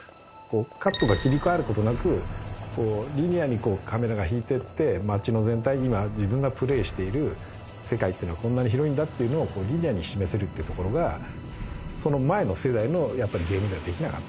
カットが切り替わる事なくリニアにカメラが引いていって街の全体、今、自分がプレイしている世界っていうのはこんなに広いんだっていうのをリニアに示せるっていうところがその前の世代のゲームではできなかったので。